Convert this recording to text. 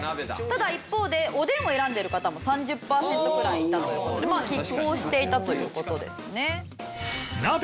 ただ一方でおでんを選んでいる方も３０パーセントくらいいたという事で拮抗していたという事ですね。